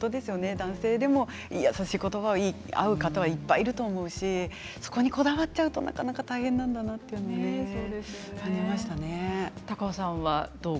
男性でも優しい言葉がある方はいっぱいいると思うしそこにこだわってしまうとなかなか大変なんだなと思います。